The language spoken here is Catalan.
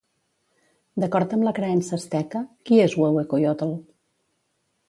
D'acord amb la creença asteca, qui és Huehuecoyotl?